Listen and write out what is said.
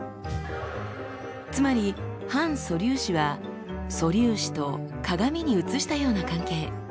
つまり反素粒子は素粒子と鏡に映したような関係。